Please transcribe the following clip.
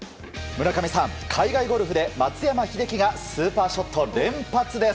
村上さん、海外ゴルフで松山英樹がスーパーショット連発です。